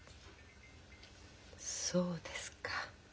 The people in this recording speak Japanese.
そうですか。